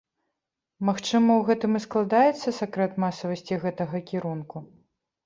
Магчыма, у гэтым і складаецца сакрэт масавасці гэтага кірунку?